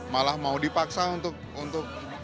malah mau dipaksa untuk